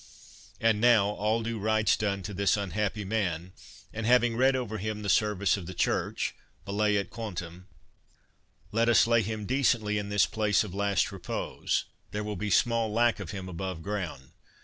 And now, all due rites done to this unhappy man, and having read over him the service of the Church, valeat quantum, let us lay him decently in this place of last repose; there will be small lack of him above ground.